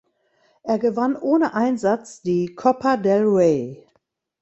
Er gewann ohne Einsatz die Copa del Rey.